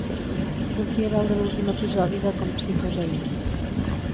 Voldria veure l'últim episodi de "Com si fos ahir".